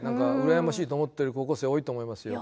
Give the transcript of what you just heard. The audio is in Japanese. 羨ましいと思ってる高校生多いと思いますよ。